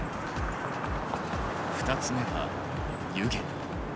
２つ目は湯気。